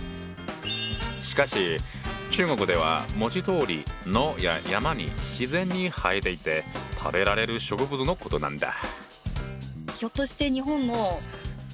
しかし中国では文字どおり野や山に自然に生えていて食べられる植物のことなんだ。